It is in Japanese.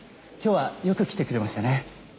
今日はよく来てくれましたね。